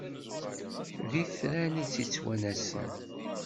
D itran i t-ittwanasen.